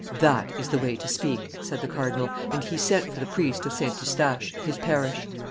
"That is the way to speak!" said the cardinal; and he sent for the priest of St. Eustache, his parish.